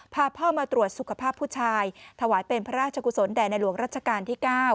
พาพ่อมาตรวจสุขภาพผู้ชายถวายเป็นพระราชกุศลแด่ในหลวงรัชกาลที่๙